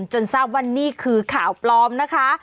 จนทราบว่านี่คือข่าวปลอมนะคะ